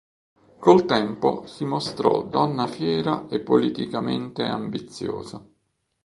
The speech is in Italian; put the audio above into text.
Col tempo, si mostrò donna fiera e politicamente ambiziosa.